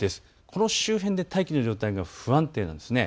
この周辺で大気の状態が不安定なんです。